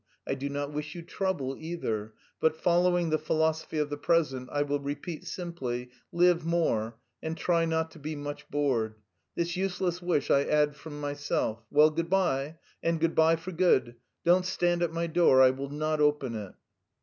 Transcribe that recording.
I do not wish you trouble either, but, following the philosophy of the peasant, I will repeat simply 'live more' and try not to be much bored; this useless wish I add from myself. Well, good bye, and good bye for good. Don't stand at my door, I will not open it."